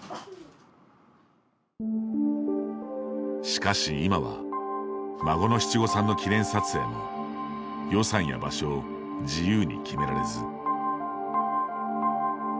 しかし今は孫の七五三の記念撮影も予算や場所を自由に決められず。